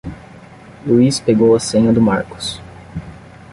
Luiz pegou a senha do Marcos.